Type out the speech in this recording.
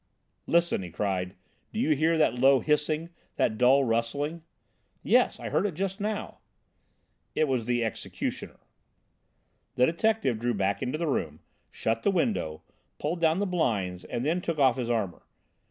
"Listen!" he cried. "Do you hear that low hissing, that dull rustling?" "Yes. I heard it just now." "It was the 'executioner.'" The detective drew back into the room, shut the window, pulled down the blinds, and then took off his armour.